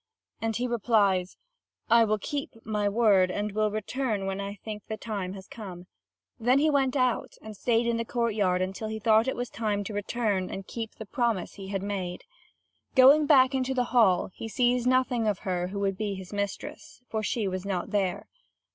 And he replies: "I will keep my word, and will return when I think the time has come." Then he went out, and stayed in the courtyard until he thought it was time to return and keep the promise he had made. Going back into the hall, he sees nothing of her who would be his mistress; for she was not there.